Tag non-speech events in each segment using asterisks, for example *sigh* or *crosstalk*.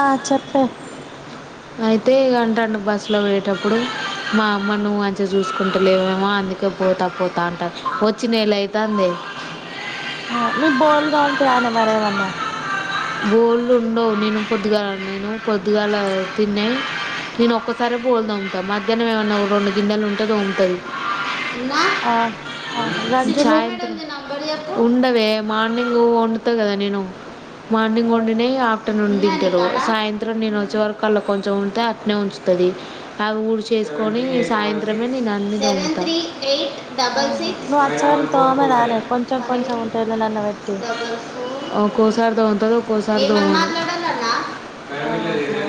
ఆ చెప్పే అయితే ఇగంటండి బస్సులో వయేటప్పుడు మా అమ్మ నువ్వు మంచిగా చూసుకుంటలేమేమో అందుకే పోతా పోతా అంటారు వచ్చి నేల అయితంది మీ బోల్దుంత రానే మరి ఎమన్నా బోల్ ఉండవు నేను పొద్దుగా నేను పొద్దుగాల తిన్నాయి నేను ఒక్కసారి బోల్ దోముతా మధ్యాహ్నం ఏమన్నా రెండు గిన్నెలు ఉంటే దోముతుంది ఆ ఆహా గంజులు చయ ఉండ రే మార్నింగ వండుత కద నేను మార్నింగ్ ఆ వండినే ఆఫ్టర్నూన్ డిస్కెల్ సాయంత్రం నేను వచ్చే వరకు అళ్లా కొంచెం ఉంటతే అట్నే ఉంచుతుంది అవి ఊడి చేసుకొని సాయంత్రమే నేను అన్ని ఉతాను ఆహా నువ్ అచ్చారు తో ఆమదానే కొంచెం కొంచెం ఉంటే ఎందులో నన్న పెట్టి ఓకో సార్ ద కద ఒకోసార్ ధోము ఆహా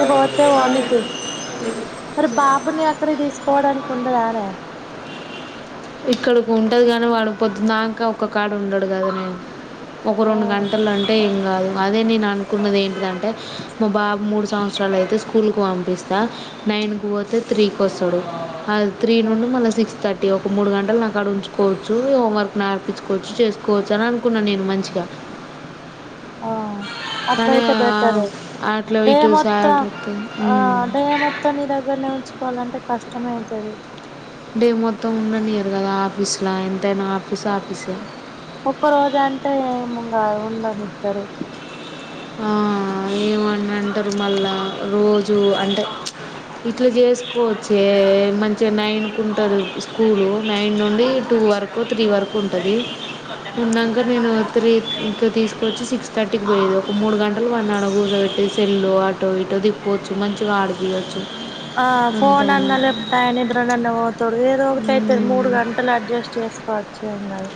ఇ పోతే వానితి కాల్ మరి బాబుని అక్కడ తీసుకోవడానికి కుండ దానే ఇక్కడికి ఉంటది కానీ వాడి పొద్దు నాంక ఒక కాడ ఉండడు కాద్ నే ఒక ఆ రెండు గంటలు అంటే ఏం కాదు అదే నేను అనుకున్నది ఏంటిదంటే మా బాబు మూడు సంవత్సరాలు అయితే స్కూల్కి పంపిస్త నైన్కి పోతే త్రీకి వస్తడు అది త్రీ ఆ నుండి మళ్ళ సిక్స్ థర్టీ ఒక మూడు గంటలు నాకుడ ఉంచుకోవచ్చు హోంవర్క్ నా అర్పించుకోవచ్చు చేసుకోవచ్చు అని అనుకున్న నేను మంచిగ ఆ అట్లయితే బెటర్ అట్లా డే ఇటు మొత్తం సాలరీ ఆ డే మొత్తం నీ దగ్గర్ నే ఉంచ చెసుకోవాలంటే కష్టమే అయితది డే మొత్తం ఉండనీయరు కద ఆఫీసులా ఎంతైనా ఆఫీసు ఆఫీసే ఒక్క రోజు అంటే ఏముంగా ఉండనిస్తరు ఆ ఏమని అంటారు మళ్ళా రోజు అంటే ఇట్లా చేసుకోవచ్చే మంచిగా నైన్కు ఉంటుంది స్కూలు నైన్ నుండి టూ వరకు త్రీ వరకు ఉంటుంది ఉన్నాక నేను త్రీ ఇంకా తీసుకొచ్చి సిక్స్ థర్టీకి పోయేది మూడు గంటలు వాడ్ని ఆడ కూసోబేట్టి సెల్లు ఆటో ఇటో దిప్పవచ్చు మంచిగ ఆడి పీయచ్చు ఆ ఫోన్ అన్న లేప్తాయనిద్ర నన్ను ఓతుడు ఏదో ఒకటి అయితది మూడు గంటలు అడ్జస్ట్ చేస్త పచ్చ ఎం కాద్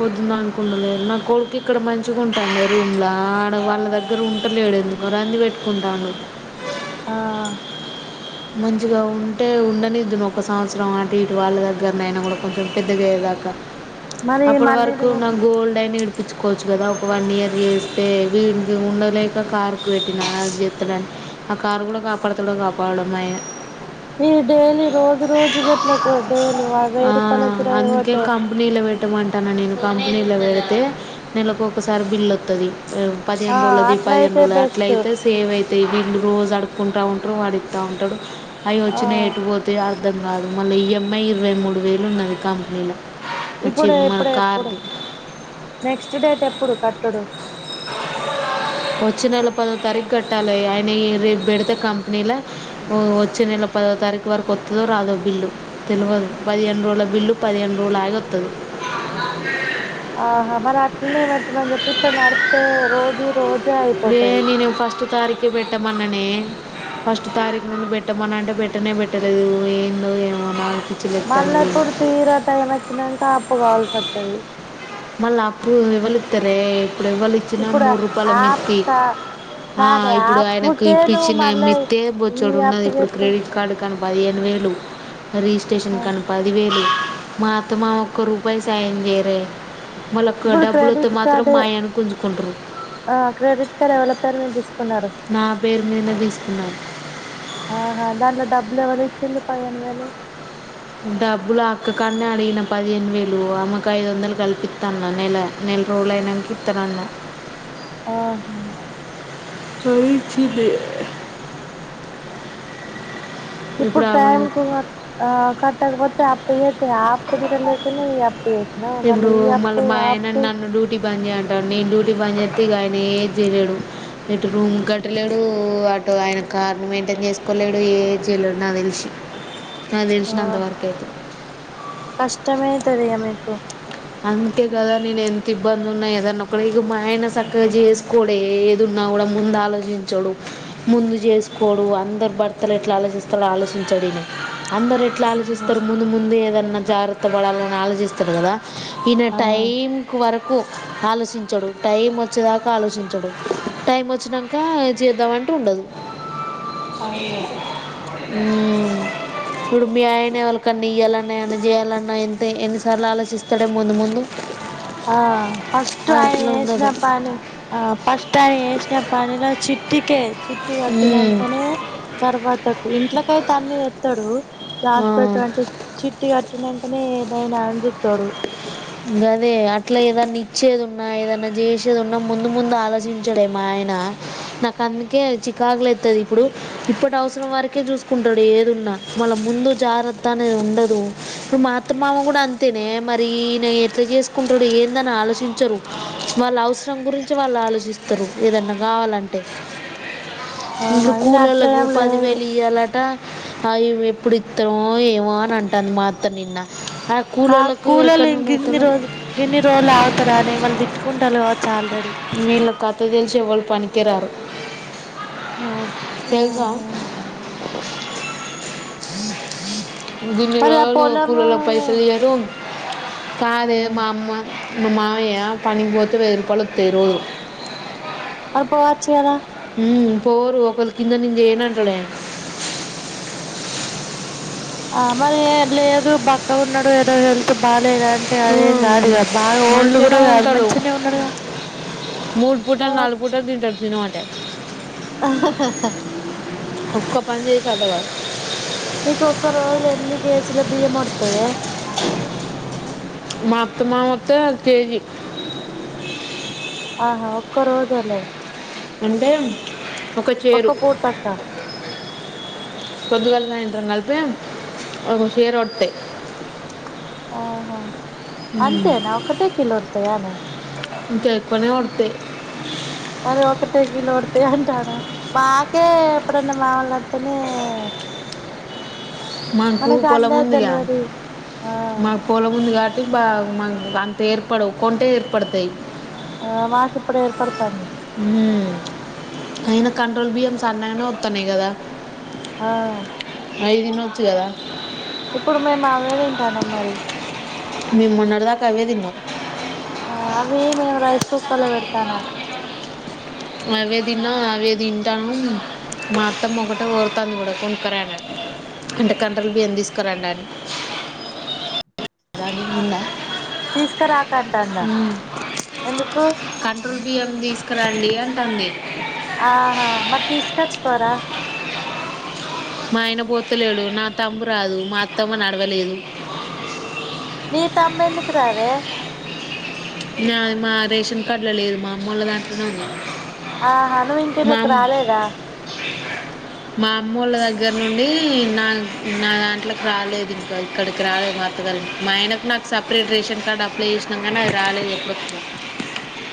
పొద్దుంద అనుకుండలేదు నా కొడుకు ఇక్కడ మంచిగా ఉంటాను రూమ్లా ఆడ వాళ్ళ దగ్గర ఉండలేడు ఎందుకు రంది పెట్టుకుంటాను ఆ మంచిగ ఉంటే ఉండనిద్దును ఒక సంవత్సరం అటు ఇటు వాళ్ళ దగ్గరనైనా కూడా కొంచెం పెద్దగాయ్యేదాకా మరి అప్పటి మళ్ళీ వరకు నువ్వు నా గోల్డ్ అయిన ఇడి పించుకోవచ్చు కదా ఒక వన్ ఇయర్ గస్తే ఉండలేక కార్ పెట్టిన జింతల ఆ కాారు కూడా కాపాడుత లేదు కాపాడు మయ ఈ డైలీ రోజు రోజు గట్లే డైలీ వా ఆ వెయ్య రూపాయలకిరా అందుకే అయిపోతేా కంపెనీలో పెట్టమంటాను నేను కంపెనీలో పెడితే నెలకు ఒకసారి బిల్ వత్తది పదిహేను ఆ రోజులది పదిహేను అట్లయితే రోజులది బెస్ట్ అట్లయితే సేవ్ అయి అ వీళ్లు రోజు ఆడుకుంటా ఉంటారుో వాడి డౌన్లోడు అవి ఆ వచ్చినయి ఎటు పోతా అ అర్థం కాదు మళ్ళీ ఈఎంఐ ఇరవై మూడు వేలు ఉన్నాయి కంపెనీలో చి ఇప్పుడు మన ఎప్పుడు ఎప్పుడు కార్ది నెక్స్ట్ డేట్ ఎప్పుడు క టడు వచ్చే నెల పదో తారీఖు కట్టాలి ఆయన రేపు పెడితే కంపెనీలో వచ్చే నెల పదో తారీఖు వరకు వత్తదో రాదో బిల్లు తెలియదు పదిహేను రోజుల బిల్లు పదిహేను రోజులు ఆగి వస్తుంది ఆహా మర అట్లునేట్ పిట అని చెప్పిస్తున్నారు అ రోజు రోజు ఎ నేని ఫస్ట్ ఫస్ట్ తారీఖు పెట్టమన్నానే ఫస్ట్ తారీఖు నుందు పెట్టమన్నా అంటే పెట్టనే పెట్టలేదు ఏందో ఏమన్నా మళ్ళా అప్పుడు తీరా టైం వచ్చి నాకా వాల్స్ అంటది మళ్ళా అప్పు వవలిత్తనే ఇప్పుడు ఎవరు ఇచ్చినా ఇప్పుడు మూడు రూపాయల ఆప్ మెత్తి కా ఆ కాదే ఇప్పుడు ఆయనకి ఆప్కే ఇప్పుడు నువ్వు ఇచ్చిన మళ్ళా మీ త్తే ఈ బొచ్చోడు యాప్ ఉన్నది ఇప్పుడు చెత్తే క్రెడిట్ కార్డు తను పదిహేను వేలు ఆ రిజిస్ట్రేషన్ కను పదివేలు మా అత్త మామ ఒక్క రూపాయి సాయం చేయిరే ఇప్పుడు క్రెడిట్ కార్డు ఆయన గుంజుకుంటారు ఆ క్రెడిట్ కార్డ్ ఎవరుస్తారు మేసు నా పేరు నేలభిస్తున్నాను ఆహా దాంట్లో డబ్బులు ఎవరు ఇచ్చింది పదిహేను వేలు డబ్బులు అక్క కానే అడిగిన పదిహేను వేలు అమ్మకు ఐదు వందలు కల్పిస్తా అన్న నెల నెల రోజులు అయనానికి ఇస్తానున్న ఆహా రైజింది ఇప్పుడు ఆమె టైమ్ కూడా ఆ కట్టకపోతే అప్పు చేస్తే ఆ అప్పు తీరలే తున్నాయి. ఇప్పుడు మళ్ళీ మా అయానన్న డ్యూటీ పని చేయంటాను నేను డ్యూటీ పని చేస్తే ఆయన ఏది చేయలేడు ఇటు రూమ్ కట్టలేడు అటు ఆయన కార్ను మెయింటైన్ చేసుకోలేడు ఏ చేయలేడు నాకు తెలిసి నాకు తెలిసిన ఆ అంతవరకు అయితే తులయ అమకు అంతే కదా నేను ఎంత ఇబ్బంది ఉన్నా ఏదన్నా ఒక ఇక మా ఆయన సక్కగా చేసుకోడు ఏది ఉన్నా కూడా ముందు ఆలోచించడు ముందు చేసుకోడు అందరు భర్తలు ఎట్లా ఆలోచిస్తాడ ఆలోచించడు ఈన అందరు ఎట్లా ఆలోచిస్తారు ముందు ముందు ఏదన్నా జాగ్రత్త పడాలని ఆలోచిస్తారు కదా ఈన ఆ టైం వరకు ఆలోచించడు టైం వచ్చేదాకా ఆలోచించడు టైం వచ్చినాక చేద్దామ అంటే ఉండదు అయన ఇప్పుడు మీ ఆయన ఎవలికన్నా ఇయ్యాలన్నా ఏమన్నా చేయాలన్నా ఎంత ఎన్నిసార్లు ఆలోచిస్త ఇక్కడ ముందు ముందు ఆ ఫస్ట్ ఆయన అట్లా ఉండదు ఏసినప్పనే ఆ ఫస్ట్ ఆయ టే పనిలో చిట్టి కే చిట్టి ఉమ్, కట్టినాకనే తర్వాత ఇంట్లోకైతే అన్ని ఎత్తాడు ఆ, దశిపెడ్తంటి చిట్టి కట్టిన అనే ఏదైనా అని చూతోడు అదే అట్లా ఏదన్నా ఇచ్చేది ఉన్నా ఏదన్నా చేసేది ఉన్నా ముందు ముందు ఆలోచించాడే మా ఆయన నాకు అందుకే చికాకులెత్తది ఇప్పుడు ఇప్పటి అవసరం వరకే చూసుకుంటాడు ఏదున్నా మళ్ళ ముందు జాగ్రత్త అనేది ఉండదు ఇప్పుడు మా అత్త మామ కూడా అంతేనే మరి నేను ఎట్లా చేసుకుంటాడు ఏందని ఆలోచించరు వాళ్ళ అవసరం గురించి వాళ్ళు ఆలోచిస్తారు ఏదన్నా కావాలంటే ఆహా ఇడు ఈయన అట్లా కూలోల్లకు ఏం లేదు పదివేలు ఇయ్యాలట అవి ఎప్పుడు ఇస్తమో ఏమో అని అంటంది మా అత్త నిన్న ఆ కలోల్లకు ఎక్కడ ఉండ ఇన్ని రోజులు ఎన్ని రోజులు అవుతారా అని మళ్ళ గుంటాల విల్లా కథ తెల్సి ఎవళ్ళూ పనికి కిరారు ఉమ్ ఓహో ఉ దీన్ని మరి ఆ రోజులు పొలము కూలోల్లకి పైసలు ఇయ్యారు కాదే మా అమ్మ ను మామయ్య పని పోతే వెయ్యి రూపాయలు వత్తాయ్ రోజు మరి పోవచ్చు కదా ఉ పోరు ఒకరి కింద నిను చేయనంటాడు ఆయన ఆ మరి లేదు బక్క ఉన్నాడు ఏదో హెల్త్ బాగాలేదన్ అంటే అదేం కాదు ఇ బాగా ఓల్డ్ మంచిగానే కూడా కాదు ఉంటాడు మంచిగానే ఉన్నాడుగా మూడు పూటలు నాలుగు పోవచ్చు పూటలు తింటారు తిన మం ఒక్క పని చేస అంటగా మీకు ఒక్క రోజులో ఎన్ని కేజీల బియ్యం వడుతయే మా అత్త మామ వత్తే కేేజీ ఆహా ఒక్క రోజేలే అంటే ఒక పక్క పోట్టాకా పొదుగాల్ అంట అయితే ఒక షేర్ వత్తాయి ఆహా అంతే నావ కట్టే కిళ్ *unintelligible* ఇంకా ఎక్కువనే కొడతేయి మరి ఒకటే కిలోడితే అంటాడ మాకే ఎప్పుడన్న మా వాళ్ళోత్తేనే మనకు పొలముందిగా ఆ మాకు పొలముందుగా బా మ అంత ఏర్పడవు కొంటే ఏర్పడతాయి ఆ మాకిప్పుడు ఏర్పడతంది అయన కంట్రోల్ బియ్యం సన్నగానే వతానేయి కదా ఆ ఐ తినవచ్చు కదా ఇప్పుడు మేము ఆ మీద తింటాను మరి మ మున్నడద క అవే తినం ఆ అవి మేము రైస్ కుక్కర్ లో పెడతానా అవే తిన్నా అవే తింటాను, మా అత్తమ ఒకటె కోఊరుతాంది కూడా కొనుకురా అంటే కండ్రలు బియ్యం తీసుకురండి అని దానికి అ ఉందా తీసుక రాక ంట ఉమ్. ఎందుకు బిఎం తీసుకురండి అంట అంది ఆహా మరి తీసుకొచ్చుకోరా మా ఆయన పొతులేడు నా తమ్ము రాదు మా అత్తమ్మ నడవలేదు నీ తమ్ందుకు రారు న మా రేషన్ కార్డలలో మా అమ్మలో దాంట్లో నే ఉంది ఆ హను మా వెంకళలకు అమ్- రాలేదా మా అమ్మ వాళ్ళ దగ్గర నుండి నా నా దాంట్లోకి రాలేదు ఇంకా ఇక్కడికి రాలేదు మాత్తగలి మా ఆయనకు నాకు సపరేట్ రేషన్ కార్డు అప్లై చేసినాం కానీ రాలేదు *unintelligible*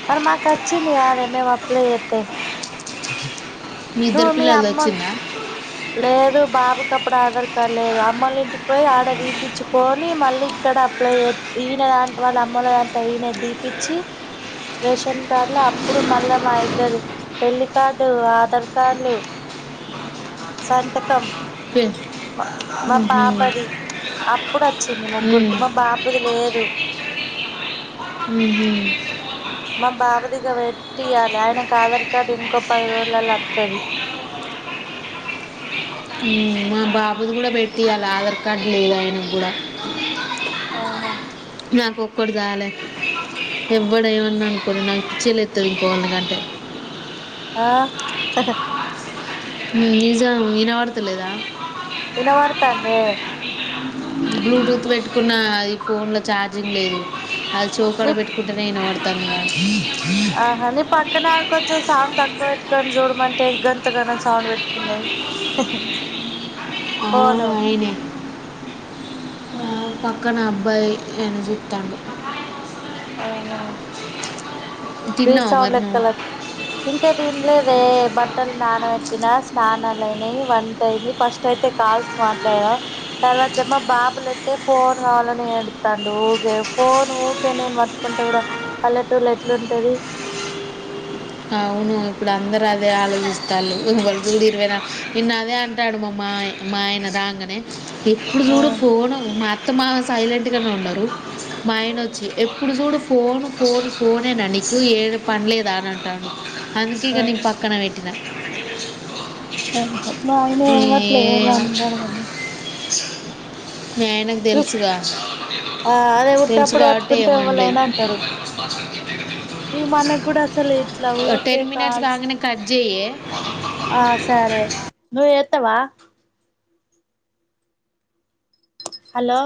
మరి మాకచ్చింది కాదె మేమప్లై ఏత్తే మీ ఇద్దరి పిల్లల్ది అమ్మ వచ్చిందా లేదు బాబుకి అప్పుడు ఆధార్ కార్డు లేదు అమ్మల్ల ఇంటికి పోయి ఆడ దీపిచ్చుకొని మళ్ళీ ఇక్కడ అప్లై ఎత్ ఈయన దాంట్ వాళ్ళ అమ్మల దాంట్లో ఈయన దీపిచ్చి రేషన్ కార్డుల అప్పుడు మళ్ళా మా ఇద్దరు పెళ్లి కార్డు ఆధార్ కార్డులు సంతకం పె- మా మా మ్హూ. పాపది అప్పుడు వచ్చింది ముగ్గురుకి మ్. మా బాబుది లేదు మ్మ్ హు మా బాబు దిగ పెట్టియాలి ఆయనకు ఆధార్ కార్డు ఇంకో పది రోజులల్ల వత్తది హు మా బాబుది కూడా పెట్టియాలి ఆధార్ కార్డు లేదు ఆయనకు కూడా ఆహా క్కడు తాగాలే ఎవ్వడేమన్న అనుకోని నాకు పిచ్చేలేత్తది ఇంకోగల్నికంటే ఆ నిజం వినపడుతలేదా వినపడుతందే బ్లూటూత్ పెట్టుకున్న ఈ ఫోన్ ల ఛార్జింగ్ లేదు అది చెవ్ కడ నీ పెట్టుకుంటేనే వినపడ్ అర్ధం కాలే ఆహా నీ పక్కన కొంచం సౌండ్ తక్కు క్కువ పెట్టుకొని చూడుమంటే గంతగానం సౌండ్ పెట్టుకున్నది ఆ ఫోను అయినే *inaudible* ఆ పక్కన భై ఎం చూతండు ఆహా రి తిన్నావా సౌండ్ మరి నువ్వు లెక్కల అత్ ఇంకా తిన్లేదు అే బట్టలు నానబెట్టినా స్నానాలు అయినాయి వంట అయింది ఫస్ట్ అయితే కాల్స్ మాట్లాడదాం తర్వాత మ బాబులోతే ఫోన్ కావాలని ఏడుతండు ఊకే ఫోన్ ఊకే నేను మట్టుకుంటే కూడా పల్లెటూల్ల ఎట్లు ట్టది అవును ఇప్పుడు అందరుఅదే ఆలోచిస్తాళ్ళు *unintelligible* నిన్న అదే అంటాడు మా మాయ మా ఆయన రాంగనే ఎప్పుడు ఆ చూడు ఫోను మా మా సైలెంట్గానే ఉన్నారు మాయన వచ్చి ఎప్పుడు చూడు ఫోను ఫోన్ ఫోనేనా నీకు ఏడ పనిలేదా అని అంటాడు బా అందుకే ఇగ నేను పక్కన పెట్టిన అ హ మ ఆయన ఎం అనడు కని స ఆ అదే తెలుసు ఉట్టేప్పుడు కాబట్టి పట్టుకుంటే ఏమనలేదు ఎవళైనా అంటారు ఈ మనకి కూడా అసలు ఎట్లా టేన్మినడ్స్ కంగానే కట్ జేయ్యే ఆ సరే నువ్ చె స్తవా హలో